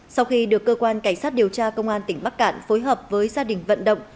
sau khi được cơ quan cảnh sát điều tra công an tỉnh bắc cạn phối hợp với gia đình vận động